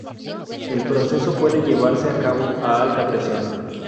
El proceso puede llevarse a cabo a alta presión.